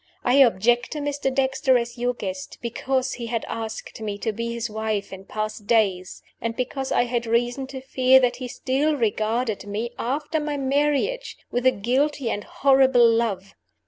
I objected to Mr. Dexter as your guest because he had asked me to be his wife in past days, and because I had reason to fear that he still regarded me (after my marriage) with a guilty and a horrible love.